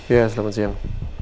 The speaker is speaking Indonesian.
iya selamat siang